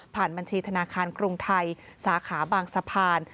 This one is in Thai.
บัญชีธนาคารกรุงไทยสาขาบางสะพาน